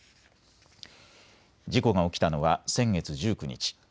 事故が起きたのは先月１９日。